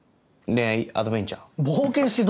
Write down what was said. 恋愛アベンジャー。